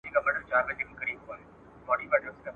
چاته مالونه جایدادونه لیکي ..